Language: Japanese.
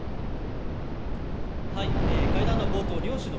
会談の冒頭、両首脳